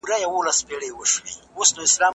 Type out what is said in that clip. د پوهې لاسته راوړنه له نقل اسانه نه وي.